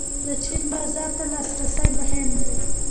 د چین بازار ته لاسرسی مهم دی